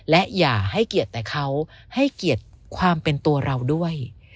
และอย่าให้เกียรติแต่เขาให้เกียรติความเป็นตัวเราด้วย